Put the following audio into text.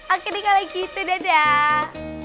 oke deh kalau gitu dadah